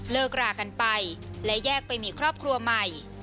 รากันไปและแยกไปมีครอบครัวใหม่